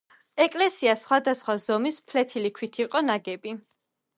ეკლესია სხვადასხვა ზომის ფლეთილი ქვით იყო ნაგები.